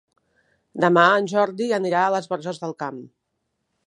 Demà en Jordi anirà a les Borges del Camp.